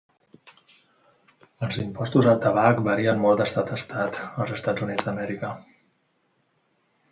Els impostos al tabac varien molt d"estat a estat, als EUA.